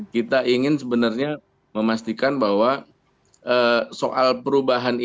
kita ingin sebenarnya memastikan bahwa soal perubahan ini